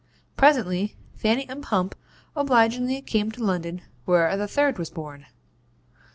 Presently Fanny and Pump obligingly came to London, where the third was born.